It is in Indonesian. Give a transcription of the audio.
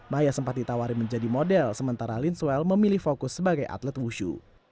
maya sempat ditawarin menjadi model sementara litzwell memilih fokus sebagai atlet wushu